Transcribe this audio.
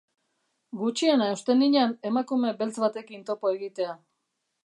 Gutxiena uste ninan emakume beltz batekin topo egitea.